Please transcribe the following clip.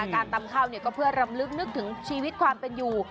การตำข้าวก็เพื่อรำลึกนึกถึงชีวิตความเป็นอยู่